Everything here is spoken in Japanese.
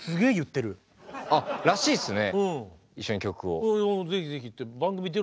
あっらしいっすね